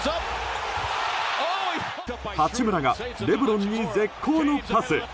八村がレブロンに絶好のパス。